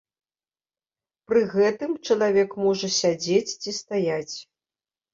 Пры гэтым чалавек можа сядзець ці стаяць.